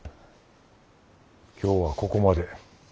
今日はここまで。